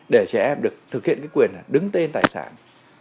để trẻ em được thực hiện quyền đứng tên tài sản